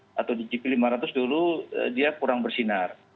hmm sebaliknya ada yang pindah di motogp atau di gp lima ratus dulu dia kurang bersinar